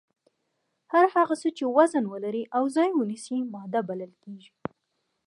هر هغه څه چې وزن ولري او ځای ونیسي ماده بلل کیږي.